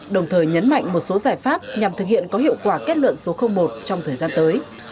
đồng thời nhấn mạnh một số giải pháp nhằm thực hiện có hiệu quả kết luận số một trong thời gian tới